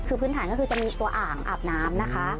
คือพื้นฐานก็คือจะมีตัวอ่างอาบน้ำนะคะ